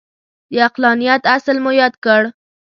د عقلانیت اصل مو یاد کړ.